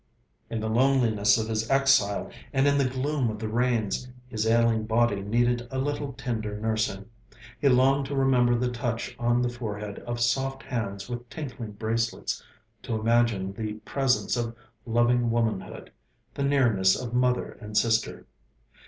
In the loneliness of his exile, and in the gloom of the rains, his ailing body needed a little tender nursing. He longed to remember the touch on the forehead of soft hands with tinkling bracelets, to imagine the presence of loving womanhood, the nearness of mother and sister.